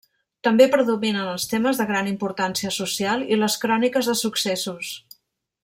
També predominen els temes de gran importància social i les cròniques de successos.